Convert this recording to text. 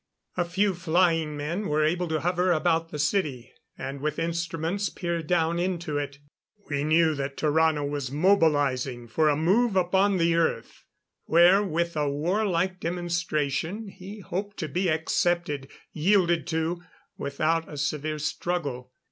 A few flying men were able to hover about the city, and with instruments peer down into it. We knew that Tarrano was mobilizing for a move upon the Earth, where with a war like demonstration he hoped to be accepted, yielded to, without a severe struggle.